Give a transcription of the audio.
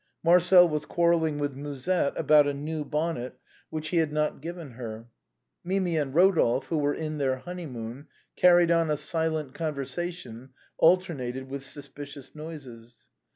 Marcel was quarrelling with Musette about a new bonnet which lie had not given her. Mimi and Eodolphe, who were in their honeymoon, carried on a silent conversation, al ternated with suspicious noises.